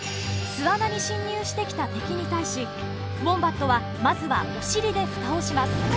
巣穴に侵入してきた敵に対しウォンバットはまずはおしりでフタをします。